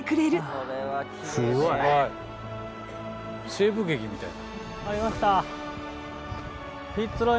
西部劇みたい」